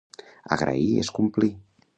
Agrair és complir.